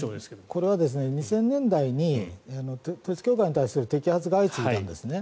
これは２０００年代に統一教会に対する摘発が相次いでいたんですね。